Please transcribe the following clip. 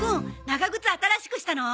長靴新しくしたの？